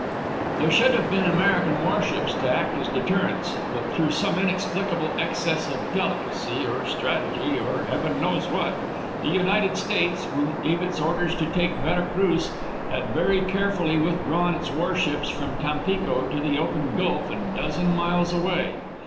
There should have been American warships to act as deterrents; but through some inexplicable excess of delicacy, or strategy, or heaven knows what, the United States, when it gave its orders to take Vera Cruz, had very carefully withdrawn its warships from Tampico to the open Gulf a dozen miles away.